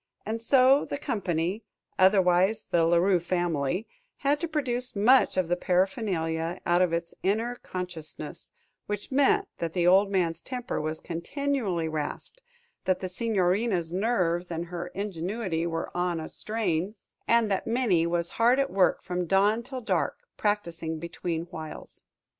And so the company otherwise the La Rue family had to produce much of the paraphernalia out of its inner consciousness, which meant that the old man's temper was continually rasped, that the Signorina's nerves and her ingenuity were on a strain, and that Minnie was hard at work from dawn till dark, practising between whiles.